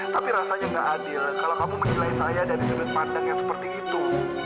tapi rasanya nggak adil kalau kamu menilai saya dari sudut pandang yang seperti itu